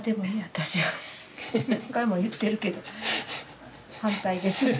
私は何回も言ってるけど反対です。